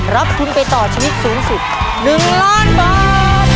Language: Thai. รับทุนไปต่อชีวิตสูงสุด๑ล้านบาท